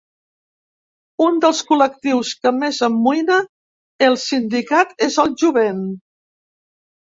Un dels col·lectius que més amoïna el sindicat és el jovent.